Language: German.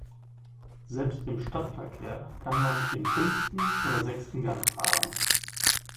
Selbst im Stadtverkehr kann man im fünften oder sechsten Gang fahren.